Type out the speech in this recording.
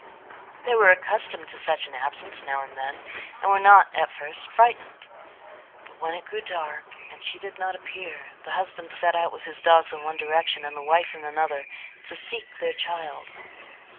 They were accustomed to such an absence now and then, and were not at first frightened; but when it grew dark and she did not appear, the husband set out with his dogs in one direction, and the wife in another, to seek their child.